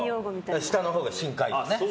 下のほうが深海でね。